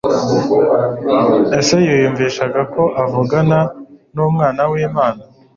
Ese yiyumvishaga ko avugana n'Umwana w'Imana ?